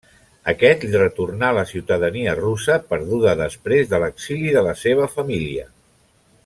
Aquest li retornà la ciutadania russa, perduda després de l'exili de la seva família.